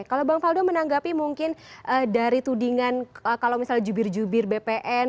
kalau bang faldo menanggapi mungkin dari tudingan kalau misalnya jubir jubir bpn